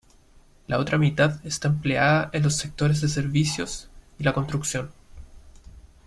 La otra mitad está empleada en los sectores de servicios y la construcción.